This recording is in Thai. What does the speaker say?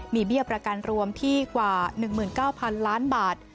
มีเบี้ยประกันรวมที่กว่า๑๙๐๐๐ล้านบาท